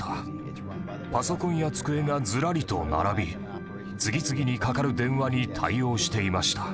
パソコンや机がずらりと並び次々にかかる電話に対応していました。